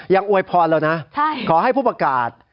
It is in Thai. ยังอวยพอแล้วนะขอให้ผู้อากาศ